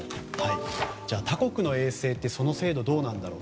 他国の衛星ってその精度どうなんだろう。